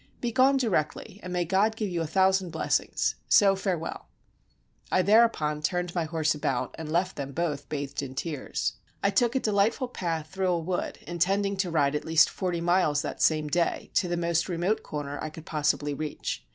Be gone directly, and may God give you a thou sand blessings! so farewell." I thereupon turned my horse about, and left them both bathed in tears. I took a delightful path through a wood, intending to ride at least forty miles that same day, to the most remote corner I could possibly reach.